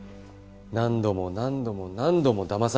何度も何度も何度も騙されて。